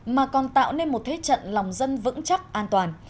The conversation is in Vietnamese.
mà còn tạo nên một thế trận lòng dân vững chắc an toàn